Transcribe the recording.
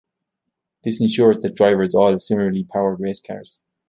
This ensures that drivers all have similarly powered racecars.